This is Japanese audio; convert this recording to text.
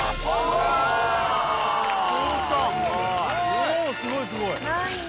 おすごいすごい！